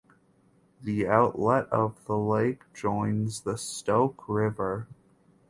The outlet of the lake joins the Stoke River.